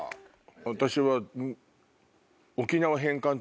私は。